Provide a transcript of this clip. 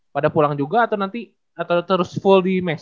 pada pulang juga atau nanti terus full di mes